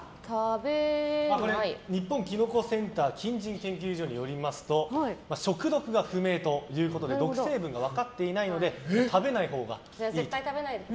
日本きのこセンター菌蕈研究所によりますと食毒不明ということで毒成分が分かっていないので食べないほうがいいということです。